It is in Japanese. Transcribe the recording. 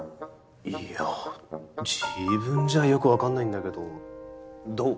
いや自分じゃよく分かんないんだけどどう？